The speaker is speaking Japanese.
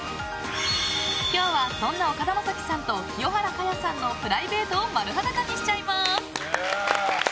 今日は、そんな岡田将生さんと清原果耶さんのプライベートを丸裸にしちゃいます！